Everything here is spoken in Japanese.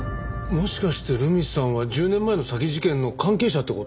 もしかして留美さんは１０年前の詐欺事件の関係者って事？